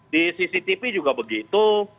di cctv juga begitu